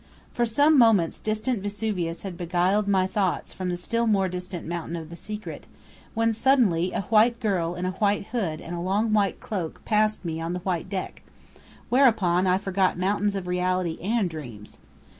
For some moments distant Vesuvius had beguiled my thoughts from the still more distant mountain of the secret, when suddenly a white girl in a white hood and a long white cloak passed me on the white deck: whereupon I forgot mountains of reality and dreams.